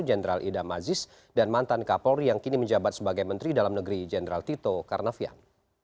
jenderal ida mazis dan mantan kak polri yang kini menjabat sebagai menteri dalam negeri jenderal tito karnavian